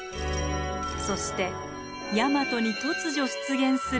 そしてヤマトに突如出現する列島